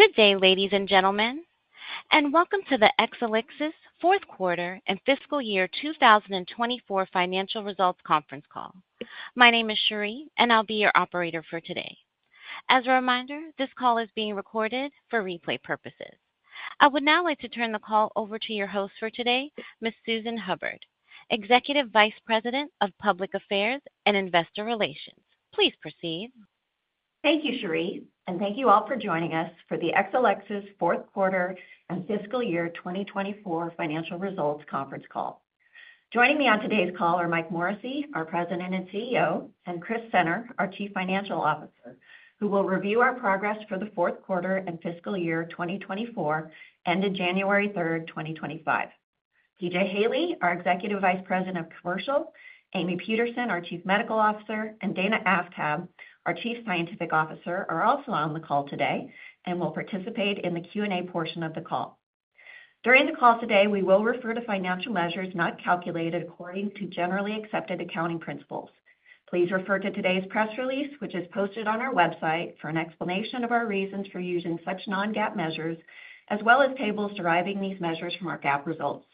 Good day, ladies and gentlemen, and welcome to the Exelixis fourth quarter and fiscal year 2024 financial results conference call. My name is Sherry, and I'll be your operator for today. As a reminder, this call is being recorded for replay purposes. I would now like to turn the call over to your host for today, Ms. Susan Hubbard, Executive Vice President of Public Affairs and Investor Relations. Please proceed. Thank you, Sherry, and thank you all for joining us for the Exelixis fourth quarter and fiscal year 2024 financial results conference call. Joining me on today's call are Mike Morrissey, our President and CEO, and Chris Senner, our Chief Financial Officer, who will review our progress for the fourth quarter and fiscal year 2024 ended January 3rd, 2025. P.J. Haley, our Executive Vice President of Commercial, Amy Peterson, our Chief Medical Officer, and Dana Aftab, our Chief Scientific Officer, are also on the call today and will participate in the Q&A portion of the call. During the call today, we will refer to financial measures not calculated according to generally accepted accounting principles. Please refer to today's press release, which is posted on our website, for an explanation of our reasons for using such non-GAAP measures, as well as tables deriving these measures from our GAAP results.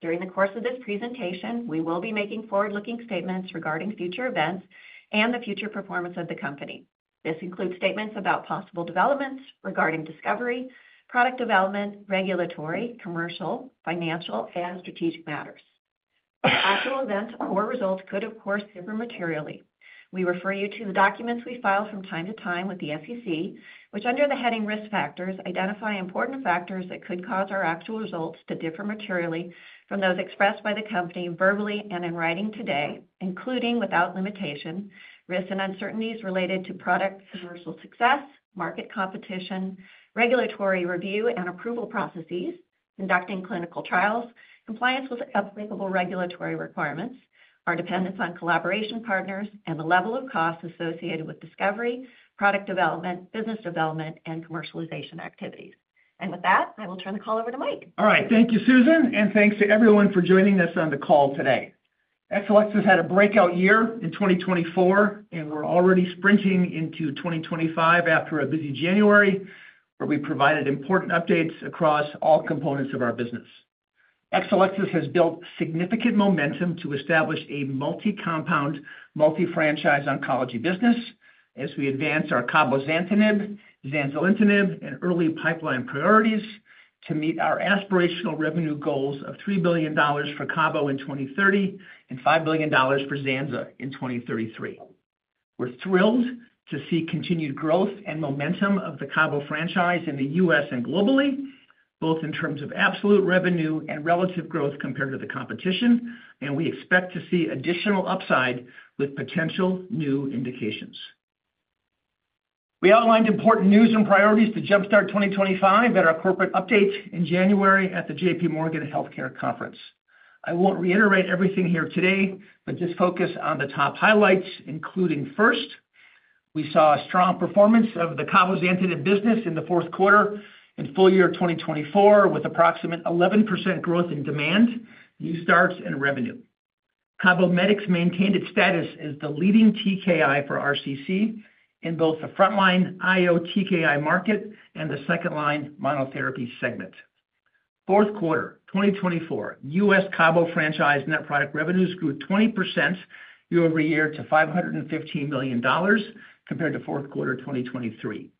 During the course of this presentation, we will be making forward-looking statements regarding future events and the future performance of the company. This includes statements about possible developments regarding discovery, product development, regulatory, commercial, financial, and strategic matters. Actual events or results could, of course, differ materially. We refer you to the documents we file from time to time with the SEC, which, under the heading Risk Factors, identify important factors that could cause our actual results to differ materially from those expressed by the company verbally and in writing today, including without limitation, risks and uncertainties related to product commercial success, market competition, regulatory review and approval processes, conducting clinical trials, compliance with applicable regulatory requirements, our dependence on collaboration partners, and the level of costs associated with discovery, product development, business development, and commercialization activities, and with that, I will turn the call over to Mike. All right. Thank you, Susan, and thanks to everyone for joining us on the call today. Exelixis had a breakout year in 2024, and we're already sprinting into 2025 after a busy January where we provided important updates across all components of our business. Exelixis has built significant momentum to establish a multi-compound, multi-franchise oncology business as we advance our cabozantinib, zanzalintinib, and early pipeline priorities to meet our aspirational revenue goals of $3 billion for Cabo in 2030 and $5 billion for Zanza in 2033. We're thrilled to see continued growth and momentum of the Cabo franchise in the U.S. and globally, both in terms of absolute revenue and relative growth compared to the competition, and we expect to see additional upside with potential new indications. We outlined important news and priorities to jump-start 2025 at our corporate update in January at the J.P. Morgan Healthcare Conference. I won't reiterate everything here today, but just focus on the top highlights, including first, we saw a strong performance of the cabozantinib business in the fourth quarter and full year 2024 with approximate 11% growth in demand, new starts, and revenue. CABOMETYX maintained its status as the leading TKI for RCC in both the frontline IO TKI market and the second-line monotherapy segment. Fourth quarter 2024, U.S. Cabo franchise net product revenues grew 20% year-over-year to $515 million compared to fourth quarter 2023.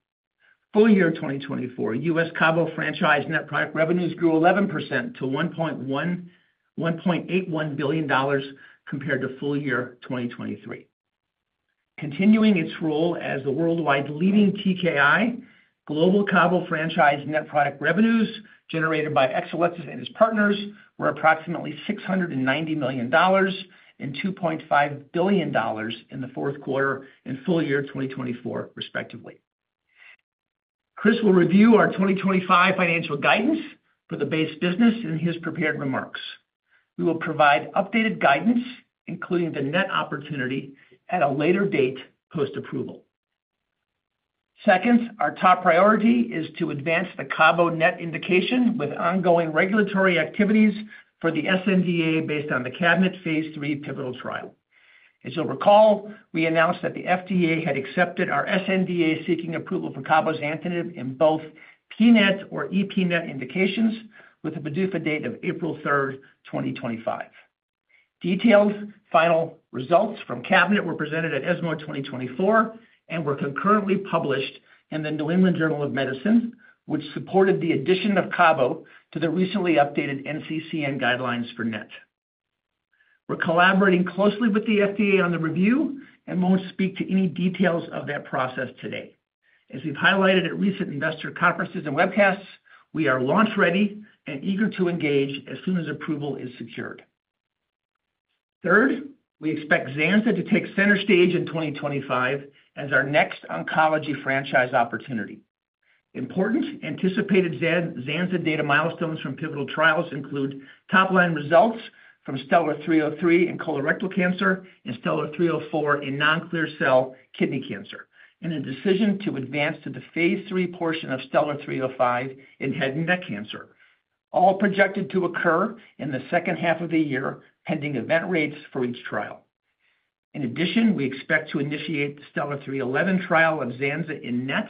Full year 2024, U.S. Cabo franchise net product revenues grew 11% to $1.81 billion compared to full year 2023. Continuing its role as the worldwide leading TKI, global Cabo franchise net product revenues generated by Exelixis and its partners were approximately $690 million and $2.5 billion in the fourth quarter and full year 2024, respectively. Chris will review our 2025 financial guidance for the base business in his prepared remarks. We will provide updated guidance, including the net opportunity, at a later date post-approval. Second, our top priority is to advance the Cabo NET indication with ongoing regulatory activities for the sNDA based on the CABINET phase III pivotal trial. As you'll recall, we announced that the FDA had accepted our sNDA seeking approval for cabozantinib in both pNET or epNET indications with a PDUFA date of April 3rd, 2025. Detailed final results from CABINET were presented at ESMO 2024 and were concurrently published in the New England Journal of Medicine, which supported the addition of Cabo to the recently updated NCCN guidelines for NET. We're collaborating closely with the FDA on the review and won't speak to any details of that process today. As we've highlighted at recent investor conferences and webcasts, we are launch-ready and eager to engage as soon as approval is secured. Third, we expect Zanza to take center stage in 2025 as our next oncology franchise opportunity. Important anticipated Zanza data milestones from pivotal trials include top-line results from STELLAR-303 in colorectal cancer and STELLAR-304 in non-clear cell kidney cancer, and a decision to advance to the phase III portion of STELLAR-305 in head and neck cancer, all projected to occur in the second half of the year pending event rates for each trial. In addition, we expect to initiate the STELLAR-311 trial of Zanza in NET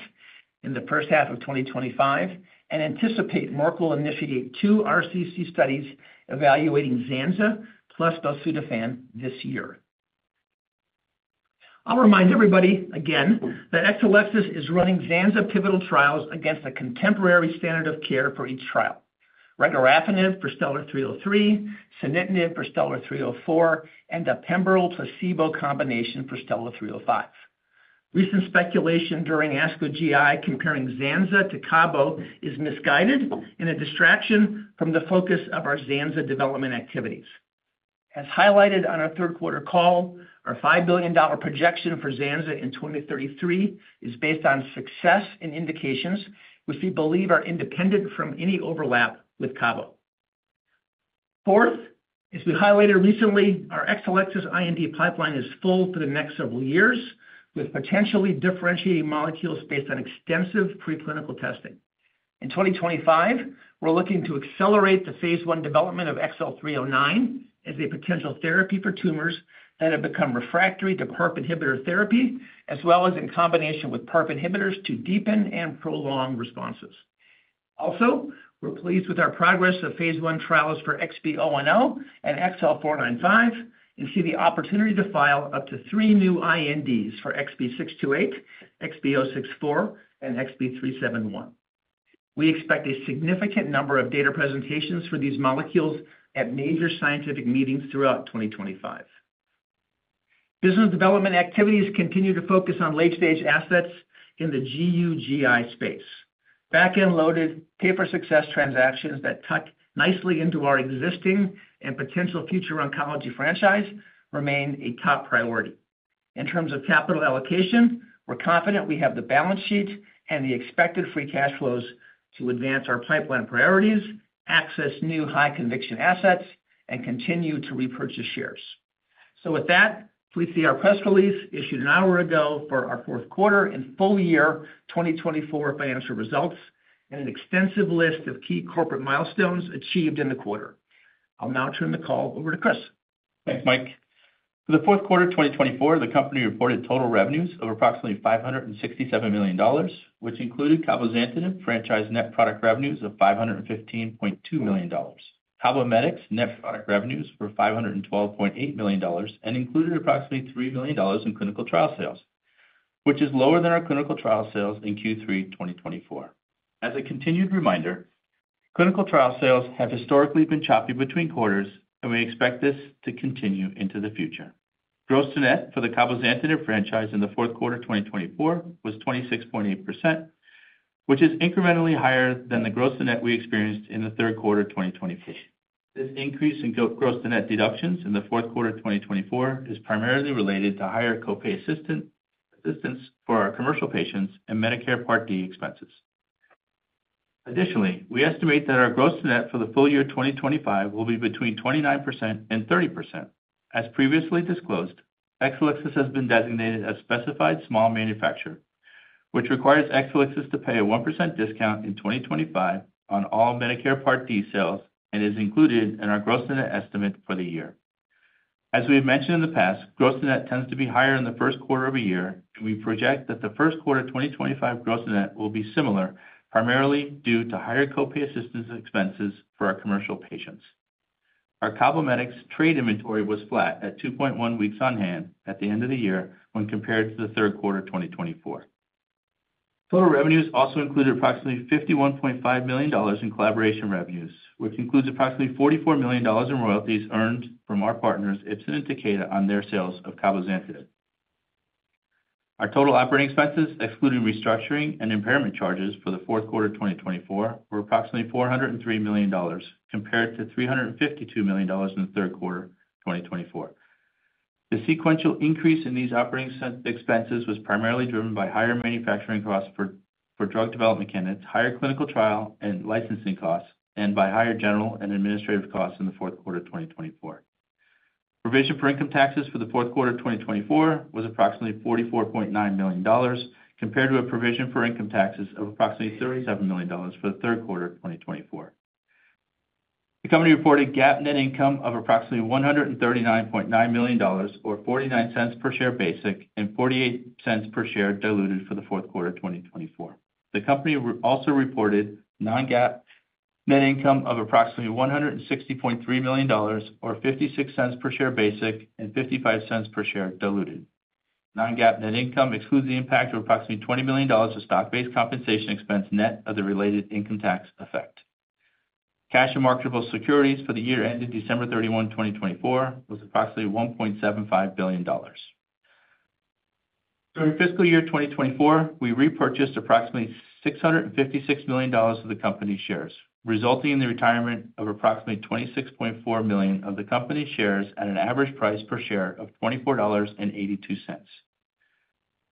in the first half of 2025 and anticipate Merck to initiate two RCC studies evaluating Zanza plus belzutifan this year. I'll remind everybody again that Exelixis is running Zanza pivotal trials against a contemporary standard of care for each trial: regorafenib for STELLAR-303, sunitinib for STELLAR-304, and a pembrolizumab combination for STELLAR-305. Recent speculation during ASCO GI comparing Zanza to Cabo is misguided and a distraction from the focus of our Zanza development activities. As highlighted on our third quarter call, our $5 billion projection for Zanza in 2033 is based on success and indications, which we believe are independent from any overlap with Cabo. Fourth, as we highlighted recently, our Exelixis IND pipeline is full for the next several years with potentially differentiating molecules based on extensive preclinical testing. In 2025, we're looking to accelerate the phase I development of XL309 as a potential therapy for tumors that have become refractory to PARP inhibitor therapy, as well as in combination with PARP inhibitors to deepen and prolong responses. Also, we're pleased with our progress of phase I trials for XB010 and XL495 and see the opportunity to file up to three new INDs for XB628, XB064, and XB371. We expect a significant number of data presentations for these molecules at major scientific meetings throughout 2025. Business development activities continue to focus on late-stage assets in the GU/GI space. Back-end-loaded pay-per-success transactions that tuck nicely into our existing and potential future oncology franchise remain a top priority. In terms of capital allocation, we're confident we have the balance sheet and the expected free cash flows to advance our pipeline priorities, access new high-conviction assets, and continue to repurchase shares. So with that, please see our press release issued an hour ago for our fourth quarter and full year 2024 financial results and an extensive list of key corporate milestones achieved in the quarter. I'll now turn the call over to Chris. Thanks, Mike. For the fourth quarter of 2024, the company reported total revenues of approximately $567 million, which included cabozantinib franchise net product revenues of $515.2 million. CABOMETYX net product revenues were $512.8 million and included approximately $3 million in clinical trial sales, which is lower than our clinical trial sales in Q3 2024. As a continued reminder, clinical trial sales have historically been choppy between quarters, and we expect this to continue into the future. Gross-to-net for the cabozantinib franchise in the fourth quarter 2024 was 26.8%, which is incrementally higher than the gross-to-net we experienced in the third quarter 2024. This increase in gross-to-net deductions in the fourth quarter 2024 is primarily related to higher copay assistance for our commercial patients and Medicare Part D expenses. Additionally, we estimate that our gross-to-net for the full year 2025 will be between 29% and 30%. As previously disclosed, Exelixis has been designated as specified small manufacturer, which requires Exelixis to pay a 1% discount in 2025 on all Medicare Part D sales and is included in our gross-to-net estimate for the year. As we've mentioned in the past, gross-to-net tends to be higher in the first quarter of a year, and we project that the first quarter 2025 gross-to-net will be similar, primarily due to higher copay assistance expenses for our commercial patients. Our CABOMETYX trade inventory was flat at 2.1 weeks on hand at the end of the year when compared to the third quarter 2024. Total revenues also included approximately $51.5 million in collaboration revenues, which includes approximately $44 million in royalties earned from our partners, Ipsen and Takeda, on their sales of cabozantinib. Our total operating expenses, excluding restructuring and impairment charges for the fourth quarter 2024, were approximately $403 million, compared to $352 million in the third quarter 2024. The sequential increase in these operating expenses was primarily driven by higher manufacturing costs for drug development candidates, higher clinical trial and licensing costs, and by higher general and administrative costs in the fourth quarter 2024. Provision for income taxes for the fourth quarter 2024 was approximately $44.9 million, compared to a provision for income taxes of approximately $37 million for the third quarter 2024. The company reported GAAP net income of approximately $139.9 million, or $0.49 per share basic, and $0.48 per share diluted for the fourth quarter 2024. The company also reported non-GAAP net income of approximately $160.3 million, or $0.56 per share basic and $0.55 per share diluted. Non-GAAP net income excludes the impact of approximately $20 million of stock-based compensation expense net of the related income tax effect. Cash and marketable securities for the year ended December 31, 2024, was approximately $1.75 billion. During fiscal year 2024, we repurchased approximately $656 million of the company's shares, resulting in the retirement of approximately 26.4 million of the company's shares at an average price per share of $24.82.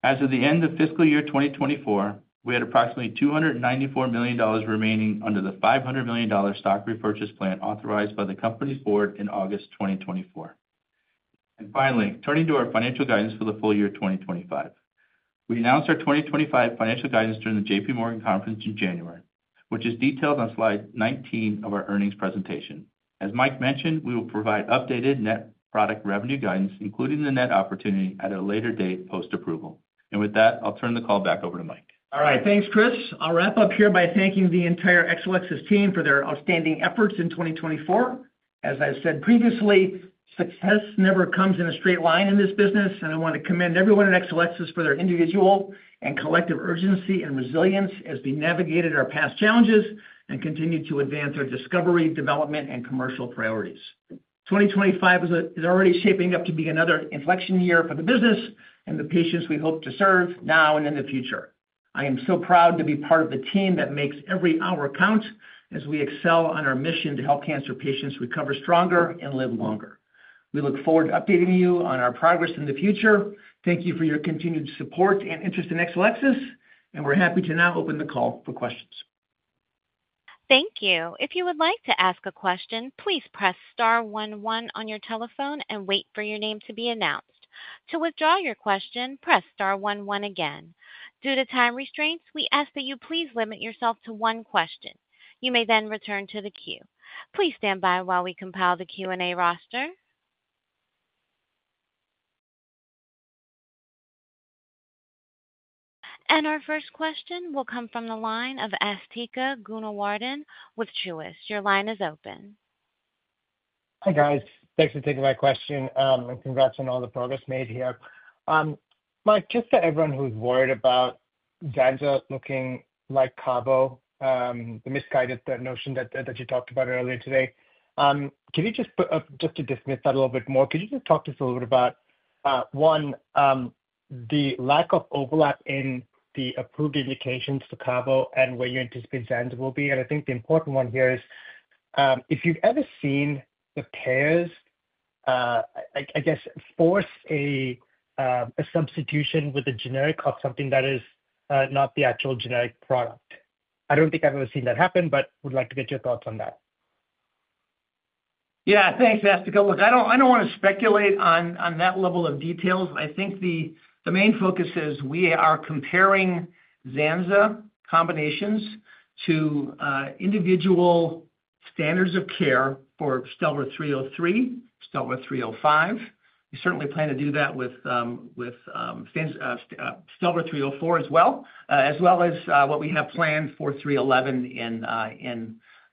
As of the end of fiscal year 2024, we had approximately $294 million remaining under the $500 million stock repurchase plan authorized by the company's board in August 2024. And finally, turning to our financial guidance for the full year 2025, we announced our 2025 financial guidance during the J.P. Morgan Conference in January, which is detailed on slide 19 of our earnings presentation. As Mike mentioned, we will provide updated net product revenue guidance, including the net opportunity, at a later date post-approval. And with that, I'll turn the call back over to Mike. All right. Thanks, Chris. I'll wrap up here by thanking the entire Exelixis team for their outstanding efforts in 2024. As I've said previously, success never comes in a straight line in this business, and I want to commend everyone at Exelixis for their individual and collective urgency and resilience as we navigated our past challenges and continued to advance our discovery, development, and commercial priorities. 2025 is already shaping up to be another inflection year for the business and the patients we hope to serve now and in the future. I am so proud to be part of the team that makes every hour count as we excel on our mission to help cancer patients recover stronger and live longer. We look forward to updating you on our progress in the future. Thank you for your continued support and interest in Exelixis, and we're happy to now open the call for questions. Thank you. If you would like to ask a question, please press star one one on your telephone and wait for your name to be announced. To withdraw your question, press star one one again. Due to time restraints, we ask that you please limit yourself to one question. You may then return to the queue. Please stand by while we compile the Q&A roster. Our first question will come from the line of Asthika Goonewardene with Truist. Your line is open. Hi, guys. Thanks for taking my question and congrats on all the progress made here. Mike, just for everyone who's worried about Zanza looking like Cabo, the misguided notion that you talked about earlier today, can you just, just to dismiss that a little bit more, could you just talk to us a little bit about, one, the lack of overlap in the approved indications for Cabo and where you anticipate Zanza will be? And I think the important one here is, if you've ever seen the payers, I guess, force a substitution with a generic of something that is not the actual generic product. I don't think I've ever seen that happen, but would like to get your thoughts on that. Yeah, thanks, Asthika. Look, I don't want to speculate on that level of details. I think the main focus is we are comparing Zanza combinations to individual standards of care for STELLAR-303, STELLAR-305. We certainly plan to do that with STELLAR-304 as well, as well as what we have planned for 311 in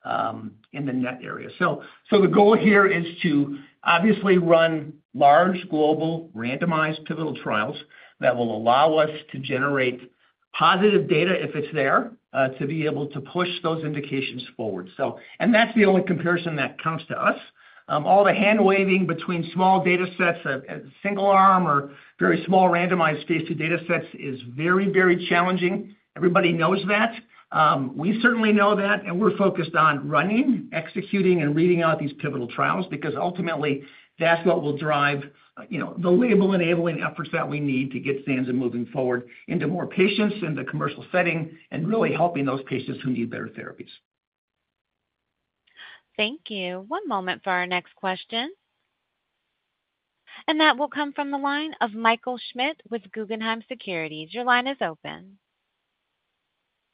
the NET area. So the goal here is to obviously run large global randomized pivotal trials that will allow us to generate positive data, if it's there, to be able to push those indications forward. And that's the only comparison that counts to us. All the hand-waving between small data sets of single-arm or very small randomized phase II data sets is very, very challenging. Everybody knows that. We certainly know that, and we're focused on running, executing, and reading out these pivotal trials because ultimately that's what will drive the label-enabling efforts that we need to get Zanza moving forward into more patients in the commercial setting and really helping those patients who need better therapies. Thank you. One moment for our next question. And that will come from the line of Michael Schmidt with Guggenheim Securities. Your line is open.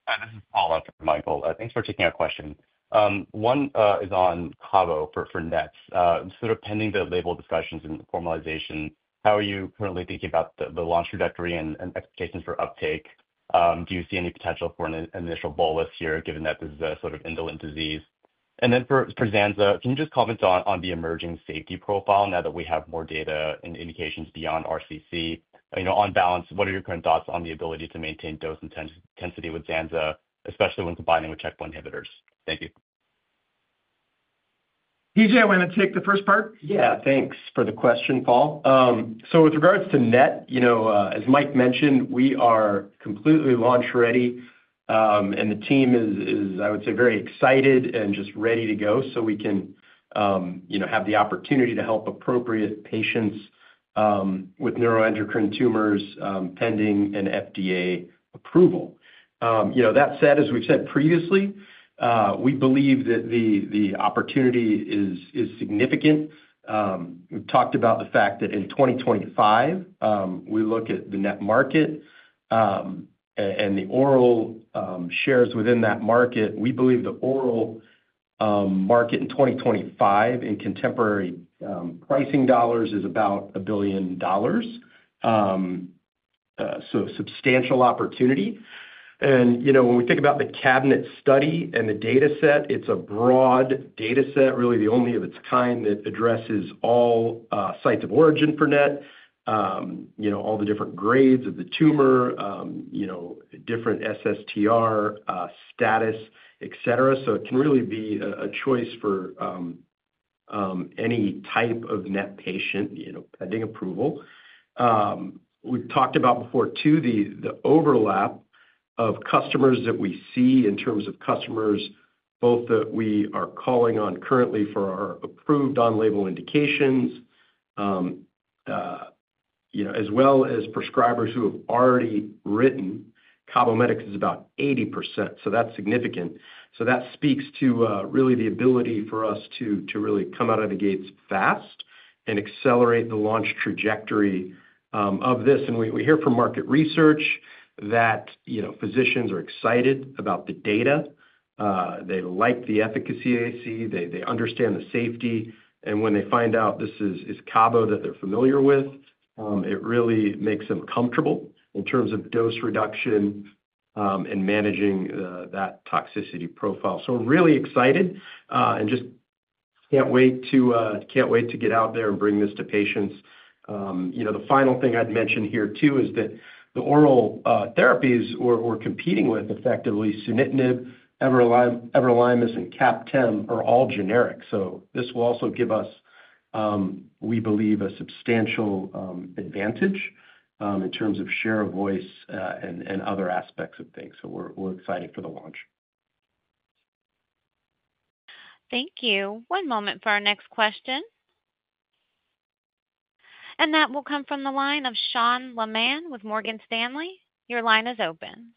Hi, this is Paul from Guggenheim. Thanks for taking our question. One is on Cabo for NETs. Sort of pending the label discussions and formalization, how are you currently thinking about the launch trajectory and expectations for uptake? Do you see any potential for an initial bolus here given that this is a sort of indolent disease? And then for Zanza, can you just comment on the emerging safety profile now that we have more data and indications beyond RCC? On balance, what are your current thoughts on the ability to maintain dose intensity with Zanza, especially when combining with checkpoint inhibitors? Thank you. P.J, you want to take the first part? Yeah, thanks for the question, Paul. So with regards to NET, as Mike mentioned, we are completely launch ready, and the team is, I would say, very excited and just ready to go so we can have the opportunity to help appropriate patients with neuroendocrine tumors pending an FDA approval. That said, as we've said previously, we believe that the opportunity is significant. We've talked about the fact that in 2025, we look at the NET market and the oral shares within that market. We believe the oral market in 2025 in constant pricing dollars is about $1 billion, so substantial opportunity. When we think about the CABINET study and the data set, it's a broad data set, really the only of its kind that addresses all sites of origin for NET, all the different grades of the tumor, different SSTR status, etc. So it can really be a choice for any type of NET patient pending approval. We've talked about before, too, the overlap of customers that we see in terms of customers, both that we are calling on currently for our approved on-label indications, as well as prescribers who have already written CABOMETYX is about 80%, so that's significant. So that speaks to really the ability for us to really come out of the gates fast and accelerate the launch trajectory of this. And we hear from market research that physicians are excited about the data. They like the efficacy they see. They understand the safety. And when they find out this is Cabo that they're familiar with, it really makes them comfortable in terms of dose reduction and managing that toxicity profile. So we're really excited and just can't wait to get out there and bring this to patients. The final thing I'd mention here, too, is that the oral therapies we're competing with, effectively sunitinib, everolimus, and CAPTEM, are all generic. So this will also give us, we believe, a substantial advantage in terms of share of voice and other aspects of things. So we're excited for the launch. Thank you. One moment for our next question. And that will come from the line of Sean Laaman with Morgan Stanley. Your line is open.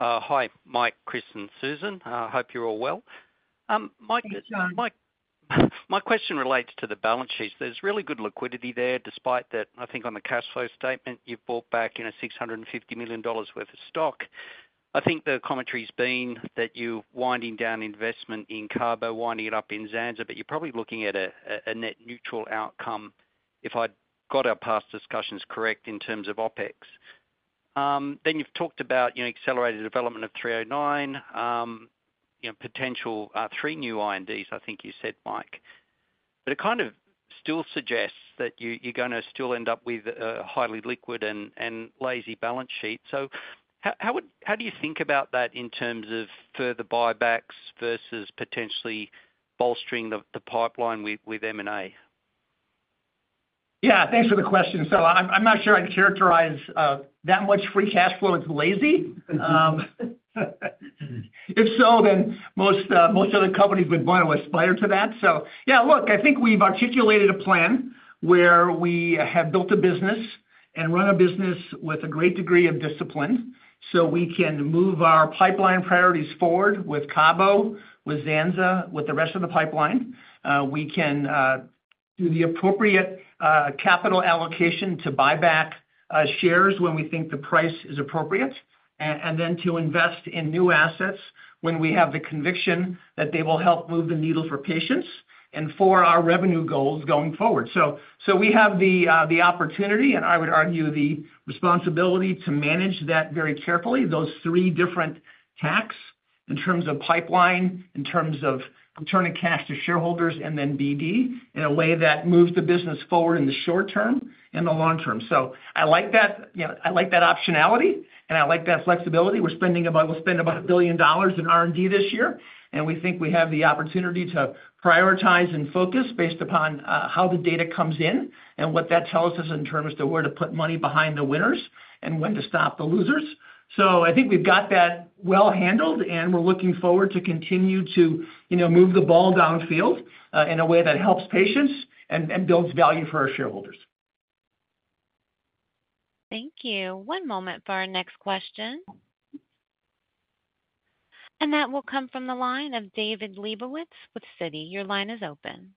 Hi, Mike, Chris, and Susan. I hope you're all well. My question relates to the balance sheet. There's really good liquidity there, despite that I think on the cash flow statement, you've bought back $650 million worth of stock. I think the commentary has been that you're winding down investment in Cabo, winding it up in Zanza, but you're probably looking at a net neutral outcome, if I got our past discussions correct in terms of OpEx. Then you've talked about accelerated development of 309, potential three new INDs, I think you said, Mike. But it kind of still suggests that you're going to still end up with a highly liquid and lazy balance sheet. So how do you think about that in terms of further buybacks versus potentially bolstering the pipeline with M&A? Yeah, thanks for the question. So I'm not sure I'd characterize that much free cash flow as lazy. If so, then most other companies would want to aspire to that. So yeah, look, I think we've articulated a plan where we have built a business and run a business with a great degree of discipline so we can move our pipeline priorities forward with Cabo, with Zanza, with the rest of the pipeline. We can do the appropriate capital allocation to buyback shares when we think the price is appropriate, and then to invest in new assets when we have the conviction that they will help move the needle for patients and for our revenue goals going forward. So we have the opportunity, and I would argue the responsibility to manage that very carefully, those three different hacks in terms of pipeline, in terms of returning cash to shareholders, and then BD in a way that moves the business forward in the short term and the long term. So I like that optionality, and I like that flexibility. We're spending about $1 billion in R&D this year, and we think we have the opportunity to prioritize and focus based upon how the data comes in and what that tells us in terms of where to put money behind the winners and when to stop the losers. So I think we've got that well handled, and we're looking forward to continue to move the ball downfield in a way that helps patients and builds value for our shareholders. Thank you. One moment for our next question. And that will come from the line of David Lebowitz with Citi. Your line is open.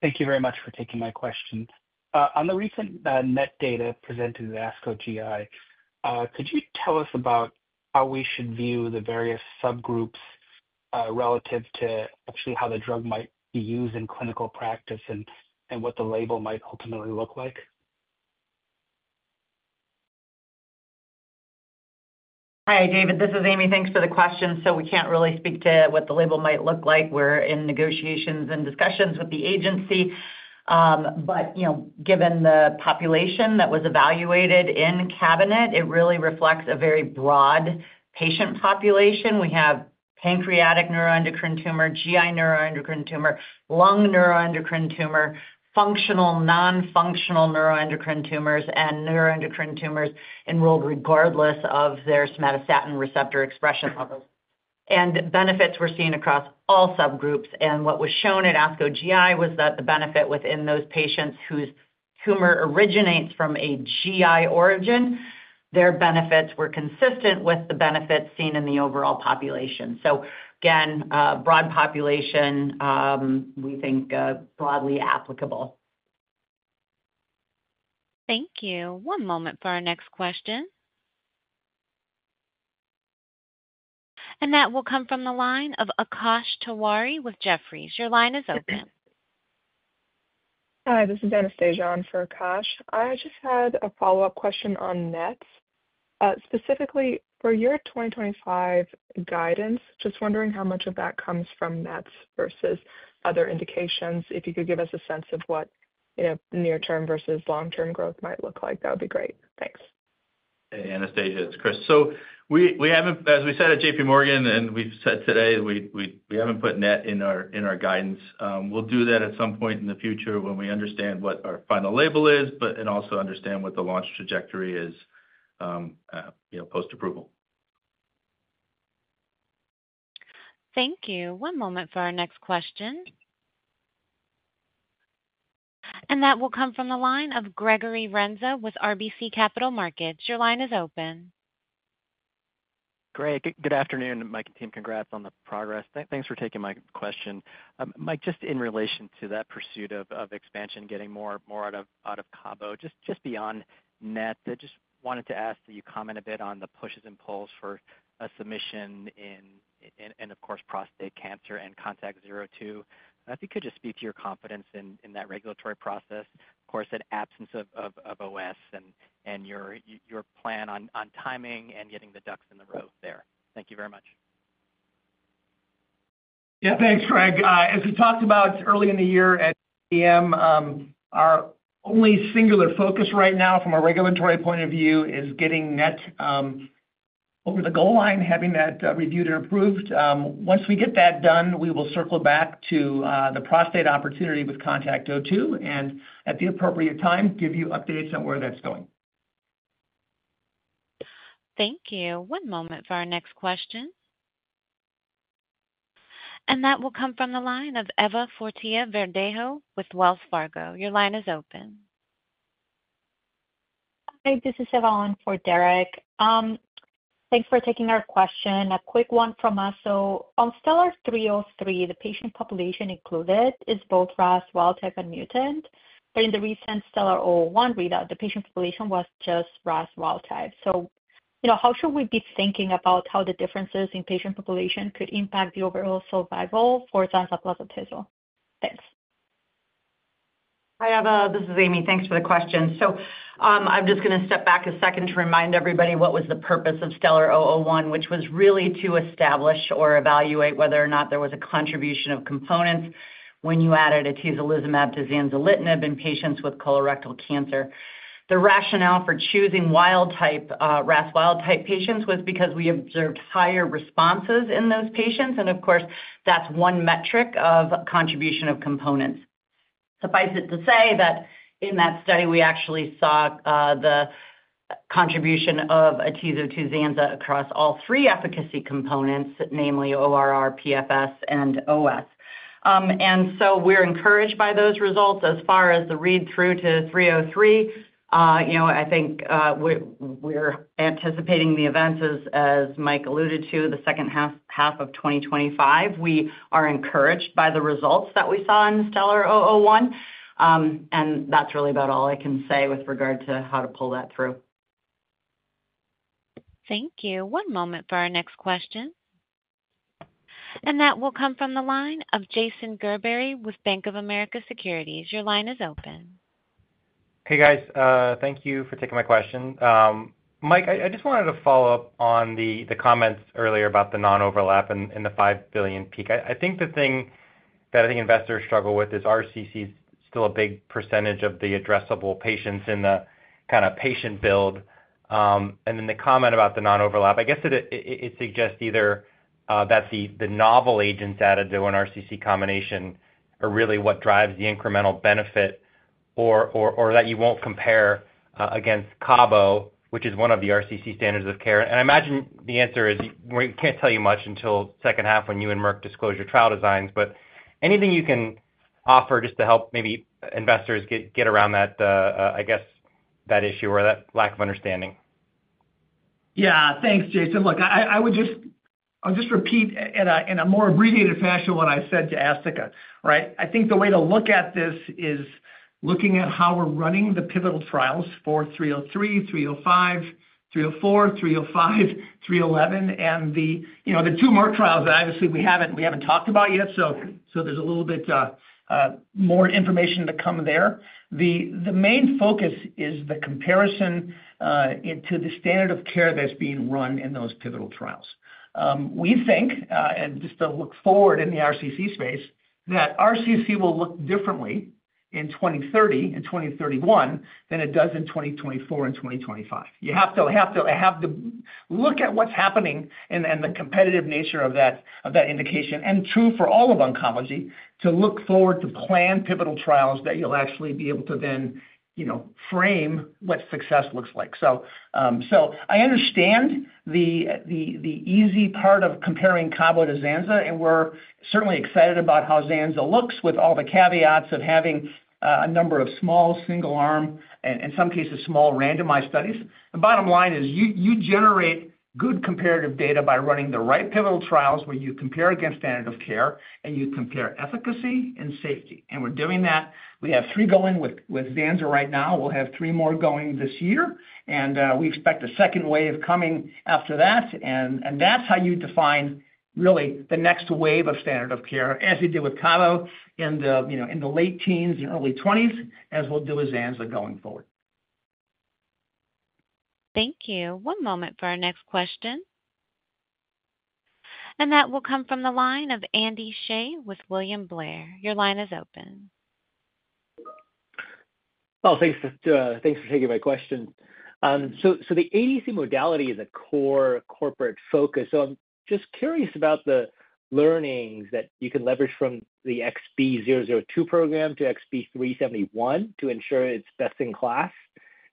Thank you very much for taking my question. On the recent NET data presented to the ASCO GI, could you tell us about how we should view the various subgroups relative to actually how the drug might be used in clinical practice and what the label might ultimately look like? Hi, David. This is Amy. Thanks for the question. So we can't really speak to what the label might look like. We're in negotiations and discussions with the agency. But given the population that was evaluated in CABINET, it really reflects a very broad patient population. We have pancreatic neuroendocrine tumor, GI neuroendocrine tumor, lung neuroendocrine tumor, functional/non-functional neuroendocrine tumors, and neuroendocrine tumors enrolled regardless of their somatostatin receptor expression levels. And benefits were seen across all subgroups. And what was shown at ASCO GI was that the benefit within those patients whose tumor originates from a GI origin, their benefits were consistent with the benefits seen in the overall population. So again, broad population, we think broadly applicable. Thank you. One moment for our next question. And that will come from the line of Akash Tewari with Jefferies. Your line is open. Hi, this is Anastasia on for Akash. I just had a follow-up question on NETs. Specifically for your 2025 guidance, just wondering how much of that comes from NETs versus other indications. If you could give us a sense of what near-term versus long-term growth might look like, that would be great. Thanks. Hey, Anastasia. It's Chris. So as we said at J.P. Morgan and we've said today, we haven't put net in our guidance. We'll do that at some point in the future when we understand what our final label is, but also understand what the launch trajectory is post-approval. Thank you. One moment for our next question, and that will come from the line of Gregory Renza with RBC Capital Markets. Your line is open. Great. Good afternoon, Mike and team. Congrats on the progress. Thanks for taking my question. Mike, just in relation to that pursuit of expansion, getting more out of Cabo, just beyond NET, I just wanted to ask that you comment a bit on the pushes and pulls for a submission in, of course, prostate cancer and CONTACT-02. If you could just speak to your confidence in that regulatory process, of course, in absence of OS and your plan on timing and getting the ducks in a row there. Thank you very much. Yeah, thanks, Greg. As we talked about early in the year at PM, our only singular focus right now from a regulatory point of view is getting NET over the goal line, having that reviewed and approved. Once we get that done, we will circle back to the prostate opportunity with CONTACT-02 and, at the appropriate time, give you updates on where that's going. Thank you. One moment for our next question. And that will come from the line of Eva Fortea-Verdejo with Wells Fargo. Your line is open. Hi, this is Eva on for Derek. Thanks for taking our question. A quick one from us. So on STELLAR-303, the patient population included is both RAS wild-type and mutant. But in the recent STELLAR-001 readout, the patient population was just RAS wild-type. So how should we be thinking about how the differences in patient population could impact the overall survival for Zanza plus atezo? Thanks. Hi, Eva. This is Amy. Thanks for the question. So I'm just going to step back a second to remind everybody what was the purpose of STELLAR-001, which was really to establish or evaluate whether or not there was a contribution of components when you added atezolizumab to Zanzalintinib in patients with colorectal cancer. The rationale for choosing RAS wild-type patients was because we observed higher responses in those patients. And of course, that's one metric of contribution of components. Suffice it to say that in that study, we actually saw the contribution of atezo to Zanza across all three efficacy components, namely ORR, PFS, and OS. And so we're encouraged by those results. As far as the read-through to STELLAR-303, I think we're anticipating the events, as Mike alluded to, the second half of 2025. We are encouraged by the results that we saw in STELLAR-001. That's really about all I can say with regard to how to pull that through. Thank you. One moment for our next question. That will come from the line of Jason Gerberry with Bank of America Securities. Your line is open. Hey, guys. Thank you for taking my question. Mike, I just wanted to follow up on the comments earlier about the non-overlap and the $5 billion peak. I think the thing that I think investors struggle with is RCC is still a big percentage of the addressable patients in the kind of patient build. And then the comment about the non-overlap, I guess it suggests either that the novel agents added to an RCC combination are really what drives the incremental benefit or that you won't compare against Cabo, which is one of the RCC standards of care. And I imagine the answer is we can't tell you much until the second half when you and Merck disclose your trial designs. But anything you can offer just to help maybe investors get around that, I guess, that issue or that lack of understanding? Yeah. Thanks, Jason. Look, I would just repeat in a more abbreviated fashion what I said to Asthika. I think the way to look at this is looking at how we're running the pivotal trials for 303, 305, 304, 305, 311, and the two Merck trials that obviously we haven't talked about yet. So there's a little bit more information to come there. The main focus is the comparison to the standard of care that's being run in those pivotal trials. We think, and just to look forward in the RCC space, that RCC will look differently in 2030 and 2031 than it does in 2024 and 2025. You have to look at what's happening and the competitive nature of that indication. And true for all of oncology, to look forward to planned pivotal trials that you'll actually be able to then frame what success looks like. So I understand the easy part of comparing Cabo to Zanza, and we're certainly excited about how Zanza looks with all the caveats of having a number of small single-arm, in some cases, small randomized studies. The bottom line is you generate good comparative data by running the right pivotal trials where you compare against standard of care and you compare efficacy and safety. And we're doing that. We have three going with Zanza right now. We'll have three more going this year. And we expect a second wave coming after that. And that's how you define really the next wave of standard of care, as you did with Cabo in the late teens and early 20s, as we'll do with Zanza going forward. Thank you. One moment for our next question. And that will come from the line of Andy Hsieh with William Blair. Your line is open. Thanks for taking my question. The ADC modality is a core corporate focus. I'm just curious about the learnings that you can leverage from the XB002 program to XB371 to ensure it's best in class.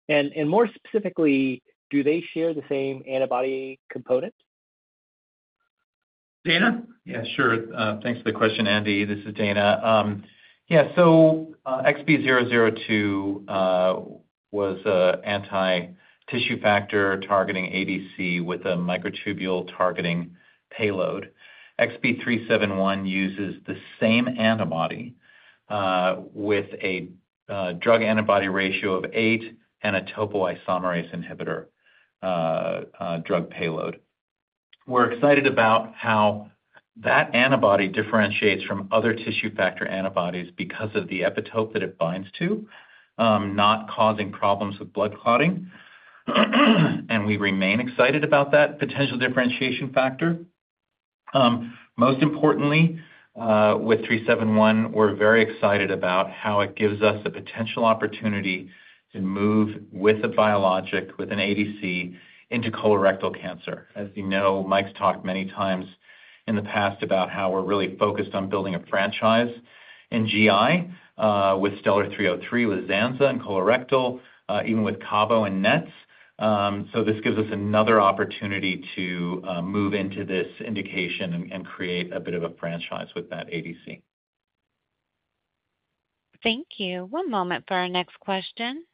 More specifically, do they share the same antibody component? Dana? Yeah, sure. Thanks for the question, Andy. This is Dana. Yeah, so XB002 was an anti-tissue factor targeting ADC with a microtubule targeting payload. XB371 uses the same antibody with a drug-antibody ratio of eight and a topoisomerase inhibitor drug payload. We're excited about how that antibody differentiates from other tissue factor antibodies because of the epitope that it binds to, not causing problems with blood clotting. And we remain excited about that potential differentiation factor. Most importantly, with 371, we're very excited about how it gives us a potential opportunity to move with a biologic with an ADC into colorectal cancer. As you know, Mike's talked many times in the past about how we're really focused on building a franchise in GI with Stellar 303 with Zanza and colorectal, even with Cabo and NETs. So this gives us another opportunity to move into this indication and create a bit of a franchise with that ADC. Thank you. One moment for our next question.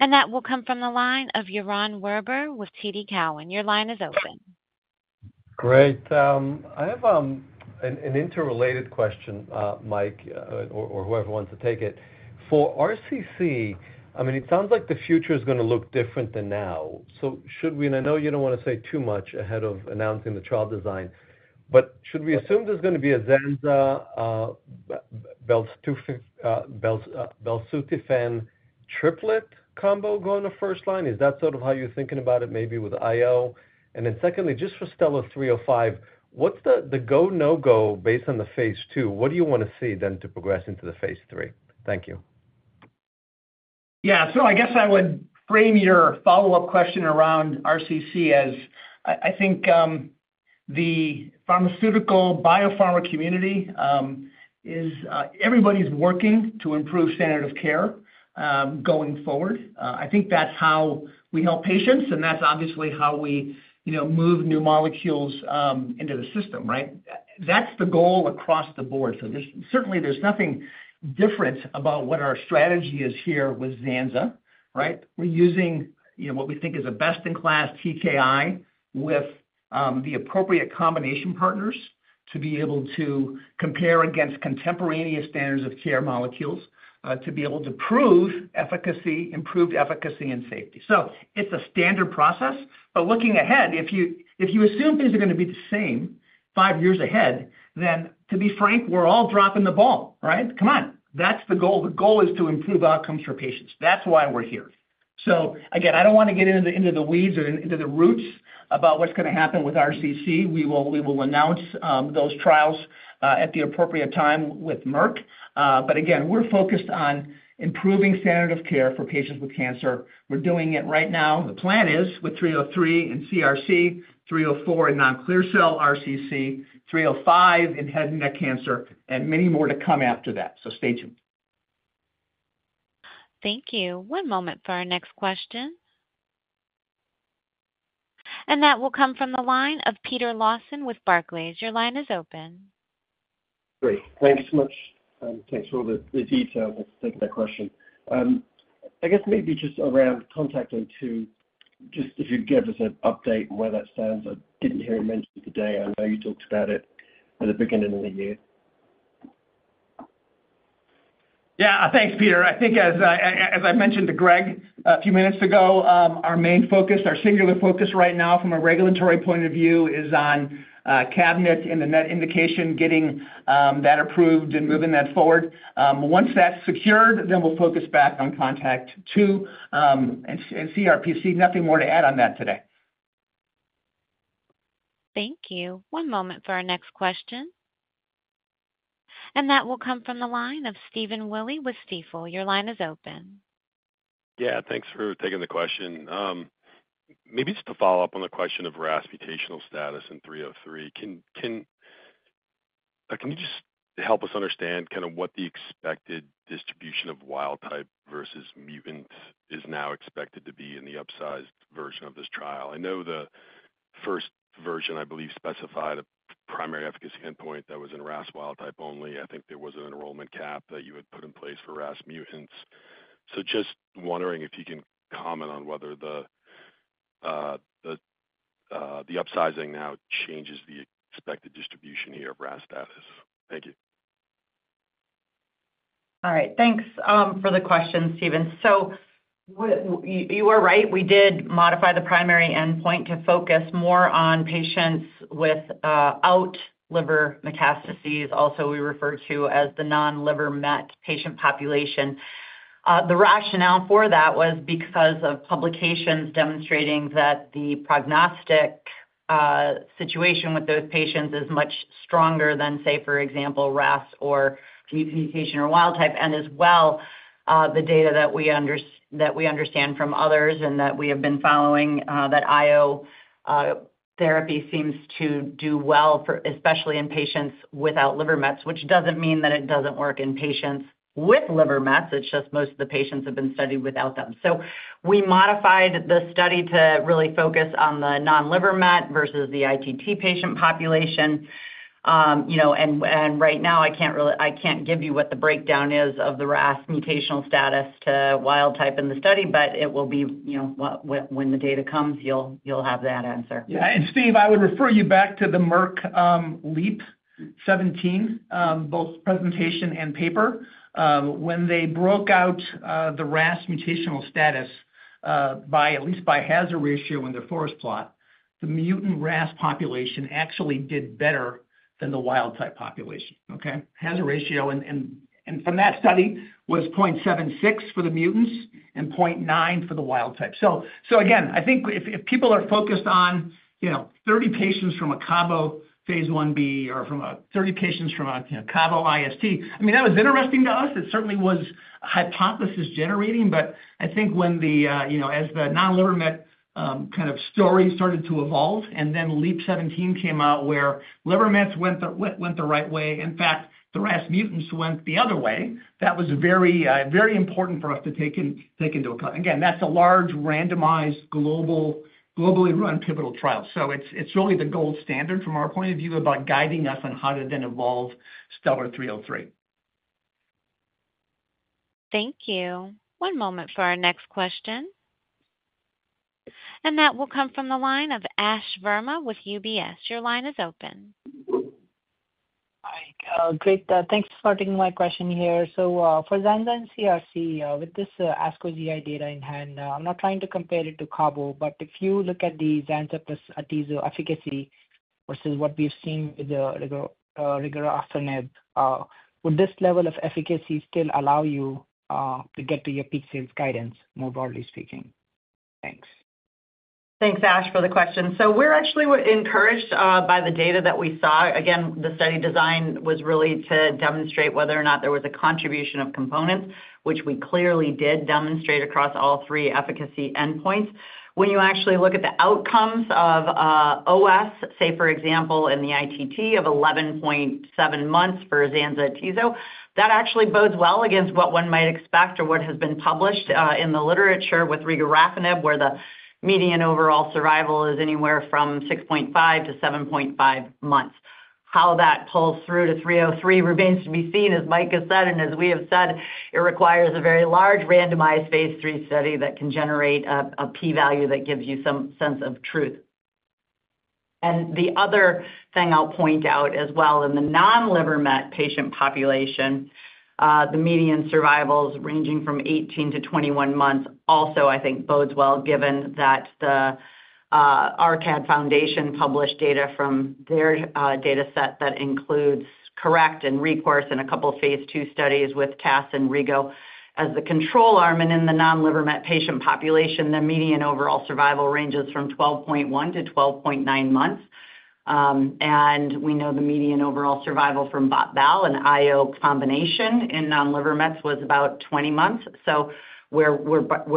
And that will come from the line of Yaron Werber with TD Cowen. Your line is open. Great. I have an interrelated question, Mike, or whoever wants to take it. For RCC, I mean, it sounds like the future is going to look different than now. So should we, and I know you don't want to say too much ahead of announcing the trial design, but should we assume there's going to be a Zanza-belzutifan triplet combo going to first line? Is that sort of how you're thinking about it, maybe with IO? And then secondly, just for Stellar 305, what's the go-no-go based on the phase II? What do you want to see then to progress into the phase III? Thank you. Yeah. So I guess I would frame your follow-up question around RCC as I think the pharmaceutical biopharma community is. Everybody's working to improve standard of care going forward. I think that's how we help patients, and that's obviously how we move new molecules into the system. That's the goal across the board. So certainly, there's nothing different about what our strategy is here with Zanza. We're using what we think is a best-in-class TKI with the appropriate combination partners to be able to compare against contemporaneous standards of care molecules to be able to prove improved efficacy and safety. So it's a standard process. But looking ahead, if you assume things are going to be the same five years ahead, then to be frank, we're all dropping the ball. Come on. That's the goal. The goal is to improve outcomes for patients. That's why we're here. So again, I don't want to get into the weeds or into the roots about what's going to happen with RCC. We will announce those trials at the appropriate time with Merck. But again, we're focused on improving standard of care for patients with cancer. We're doing it right now. The plan is with 303 and CRC, 304 and non-clear cell RCC, 305 and head and neck cancer, and many more to come after that. So stay tuned. Thank you. One moment for our next question, and that will come from the line of Peter Lawson with Barclays. Your line is open. Great. Thanks so much. Thanks for all the details. Thank you for that question. I guess maybe just around CONTACT-02, just if you'd give us an update on where that stands. I didn't hear it mentioned today. I know you talked about it at the beginning of the year. Yeah. Thanks, Peter. I think as I mentioned to Greg a few minutes ago, our singular focus right now from a regulatory point of view is on CABINET and the NET indication getting that approved and moving that forward. Once that's secured, then we'll focus back on CONTACT-02 and CRPC. Nothing more to add on that today. Thank you. One moment for our next question. And that will come from the line of Stephen Willey with Stifel. Your line is open. Yeah. Thanks for taking the question. Maybe just to follow up on the question of RAS mutational status in 303, can you just help us understand kind of what the expected distribution of wild-type versus mutant is now expected to be in the upsized version of this trial? I know the first version, I believe, specified a primary efficacy endpoint that was in RAS wild-type only. I think there was an enrollment cap that you had put in place for RAS mutants. So just wondering if you can comment on whether the upsizing now changes the expected distribution here of RAS status. Thank you. All right. Thanks for the question, Stephen. So, you were right. We did modify the primary endpoint to focus more on patients without liver metastasis, also what we refer to as the non-liver met patient population. The rationale for that was because of publications demonstrating that the prognostic situation with those patients is much stronger than, say, for example, RAS or mutation or wild-type, and as well, the data that we understand from others and that we have been following that IO therapy seems to do well, especially in patients without liver mets, which doesn't mean that it doesn't work in patients with liver mets. It's just most of the patients have been studied without them, so we modified the study to really focus on the non-liver met versus the ITT patient population. And right now, I can't give you what the breakdown is of the RAS mutational status to wild-type in the study, but it will be when the data comes, you'll have that answer. Yeah. And Steve, I would refer you back to the Merck LEAP-017, both presentation and paper. When they broke out the RAS mutational status by at least by hazard ratio in their forest plot, the mutant RAS population actually did better than the wild-type population. Hazard ratio from that study was 0.76 for the mutants and 0.9 for the wild-type. So again, I think if people are focused on 30 patients from a Cabo phase Ib or 30 patients from a Cabo IST, I mean, that was interesting to us. It certainly was hypothesis-generating. But I think when the, as the non-liver met kind of story started to evolve and then LEAP-017 came out where liver mets went the right way, in fact, the RAS mutants went the other way, that was very important for us to take into account. Again, that's a large randomized globally run pivotal trial. So it's really the gold standard from our point of view about guiding us on how to then evolve STELLAR-303. Thank you. One moment for our next question. And that will come from the line of Ash Verma with UBS. Your line is open. Hi. Great. Thanks for taking my question here. So for Zanza and CRC, with this ASCO GI data in hand, I'm not trying to compare it to Cabo, but if you look at the Zanza plus atezo efficacy versus what we've seen with the regorafenib, would this level of efficacy still allow you to get to your peak sales guidance, more broadly speaking? Thanks. Thanks, Ash, for the question. So we're actually encouraged by the data that we saw. Again, the study design was really to demonstrate whether or not there was a contribution of components, which we clearly did demonstrate across all three efficacy endpoints. When you actually look at the outcomes of OS, say, for example, in the ITT of 11.7 months for Zanza atezo, that actually bodes well against what one might expect or what has been published in the literature with regorafenib, where the median overall survival is anywhere from 6.5-7.5 months. How that pulls through to 303 remains to be seen, as Mike has said. And as we have said, it requires a very large randomized phase III study that can generate a p-value that gives you some sense of truth. The other thing I'll point out as well, in the non-liver met patient population, the median survivals ranging from 18-21 months also, I think, bodes well, given that the ARCAD Foundation published data from their dataset that includes CORRECT and RECOURSE and a couple of phase II studies with TAS and regorafenib as the control arm. In the non-liver met patient population, the median overall survival ranges from 12.1-12.9 months. We know the median overall survival from BOT/BAL and IO combination in non-liver mets was about 20 months. We're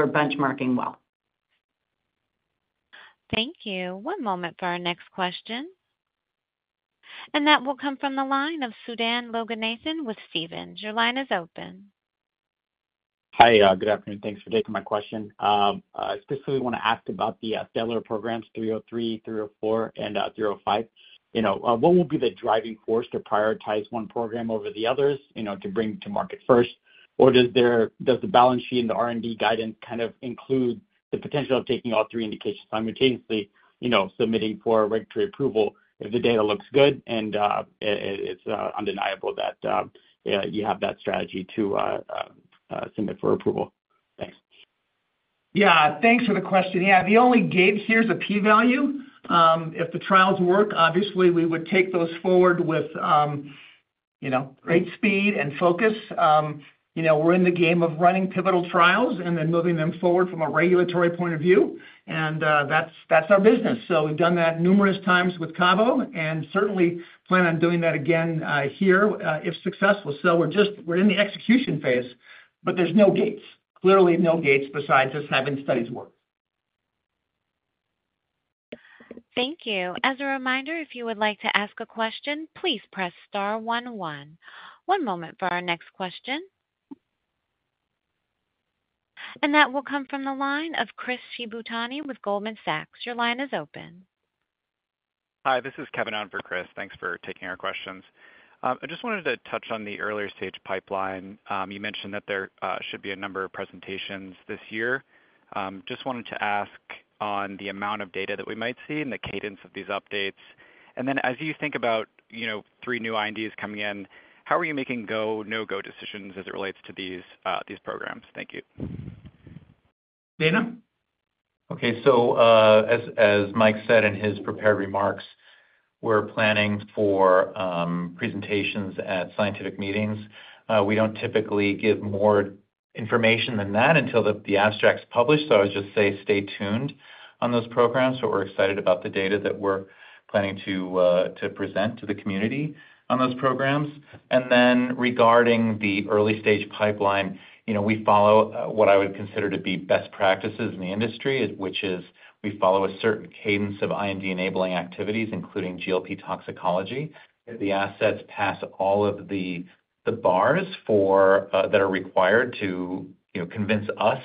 benchmarking well. Thank you. One moment for our next question. And that will come from the line of Sudan Loganathan with Stephens. Your line is open. Hi. Good afternoon. Thanks for taking my question. I specifically want to ask about the STELLAR programs, 303, 304, and 305. What will be the driving force to prioritize one program over the others to bring to market first? Or does the balance sheet and the R&D guidance kind of include the potential of taking all three indications simultaneously, submitting for regulatory approval if the data looks good? And it's undeniable that you have that strategy to submit for approval. Thanks. Yeah. Thanks for the question. Yeah. The only gain here is a p-value. If the trials work, obviously, we would take those forward with great speed and focus. We're in the game of running pivotal trials and then moving them forward from a regulatory point of view. And that's our business. So we've done that numerous times with Cabo and certainly plan on doing that again here if successful. So we're in the execution phase, but there's no gauge. Clearly, no gauge besides us having studies work. Thank you. As a reminder, if you would like to ask a question, please press star one one. One moment for our next question. And that will come from the line of Chris Shibutani with Goldman Sachs. Your line is open. Hi. This is Kevin on for Chris. Thanks for taking our questions. I just wanted to touch on the earlier stage pipeline. You mentioned that there should be a number of presentations this year. Just wanted to ask on the amount of data that we might see and the cadence of these updates. And then as you think about three new INDs coming in, how are you making go/no-go decisions as it relates to these programs? Thank you. Dana? Okay. So as Mike said in his prepared remarks, we're planning for presentations at scientific meetings. We don't typically give more information than that until the abstract's published. So I would just say stay tuned on those programs. But we're excited about the data that we're planning to present to the community on those programs. And then regarding the early stage pipeline, we follow what I would consider to be best practices in the industry, which is we follow a certain cadence of IND-enabling activities, including GLP toxicology. If the assets pass all of the bars that are required to convince us,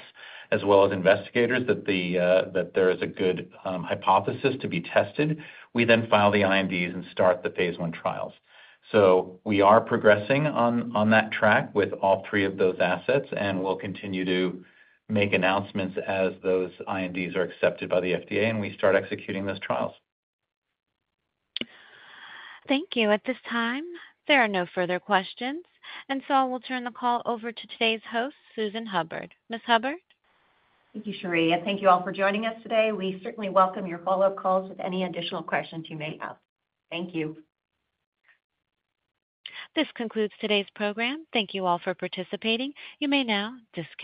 as well as investigators, that there is a good hypothesis to be tested, we then file the INDs and start the phase I trials. So we are progressing on that track with all three of those assets, and we'll continue to make announcements as those INDs are accepted by the FDA and we start executing those trials. Thank you. At this time, there are no further questions. And so I will turn the call over to today's host, Susan Hubbard. Ms. Hubbard? And thank you all for joining us today. We certainly welcome your follow-up calls with any additional questions you may have. Thank you. This concludes today's program. Thank you all for participating. You may now disconnect.